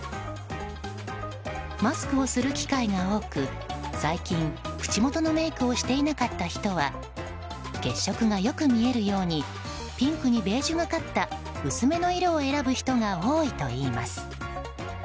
マスクをする機会が多く最近、口元のメイクをしていなかった人は血色が良く見えるようにピンクにベージュがかった薄めの色を選ぶ人が多いといいます。